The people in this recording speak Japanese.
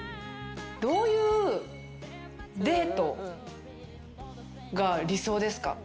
どういうデートが理想ですか？